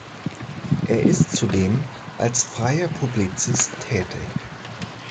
Er ist zudem als freier Publizist tätig.